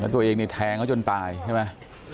ตัวเองนี่แทงเขาจนตายใช่ไหม